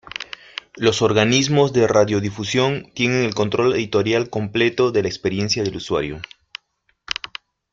Los organismos de radiodifusión tienen el control editorial completo de la experiencia del usuario.